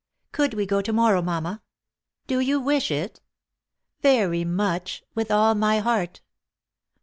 " Gould we go to morrow, mamma ?" "Do you wish it?" " Very much. With all my heart."